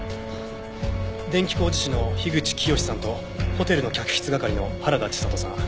電気工事士の樋口清史さんとホテルの客室係の原田千里さん